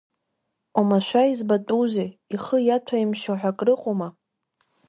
Омашәа избатәузеи, ихы иаҭәаимшьо ҳәа крыҟоума?